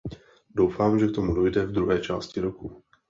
Doufám, že k tomu dojde v druhé části roku.